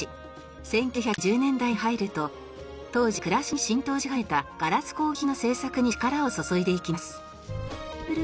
１９１０年代に入ると当時暮らしに浸透し始めたガラス工芸品の制作に力を注いでいきます。